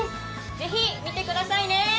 ぜひ見てくださいね！